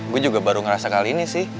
gue juga baru ngerasa kali ini sih